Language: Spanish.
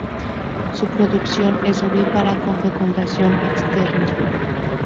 Su reproducción es ovípara con fecundación externa.